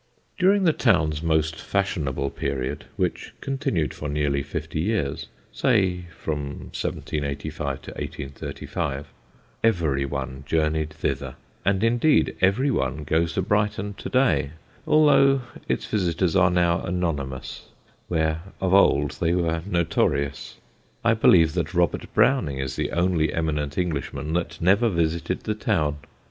During the town's most fashionable period, which continued for nearly fifty years say from 1785 to 1835 everyone journeyed thither; and indeed everyone goes to Brighton to day, although its visitors are now anonymous where of old they were notorious. I believe that Robert Browning is the only eminent Englishman that never visited the town.